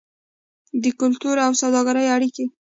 د کلتور او سوداګرۍ اړیکې.